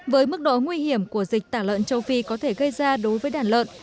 với mức độ nguy hiểm của dịch tả lợn châu phi có thể gây ra đối với đàn lợn